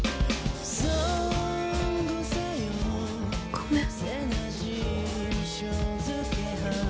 ごめん。